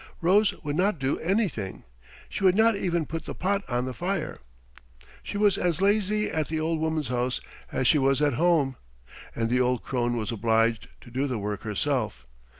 Rose would not do anything. She would not even put the pot on the fire. She was as lazy at the old woman's house as she was at home, and the old crone was obliged to do the work herself.